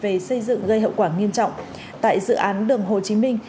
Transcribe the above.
về xây dựng gây hậu quả nghiêm trọng tại dự án đường hồ chí minh